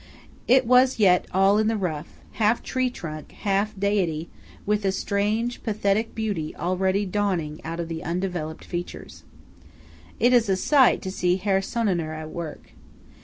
It was yet all in the rough, half tree trunk, half Deity, with a strange, pathetic beauty already dawning out of the undeveloped features. It is a sight to see Herr Senoner at work.